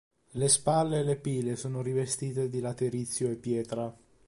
Le spalle e le pile sono rivestite di laterizio e pietra.